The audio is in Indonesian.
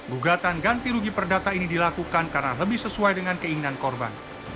gugatan ganti rugi perdata ini dilakukan karena lebih sesuai dengan keinginan korban